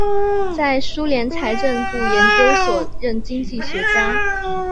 在苏联财政部研究所任经济学家。